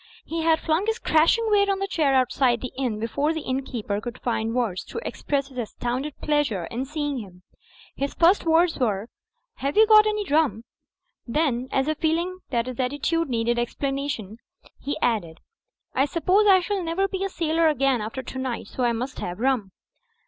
He had flung his crashing weight on the chair out side the inn before the innkeeper cotild find words to express his astounded pleasure in seeing him. His first words were "have you got any rum?'' Then, as if feeling that his attitude needed explana tion, he added, "I suppose I shall never be a sailor again after tonight. So I must have rum."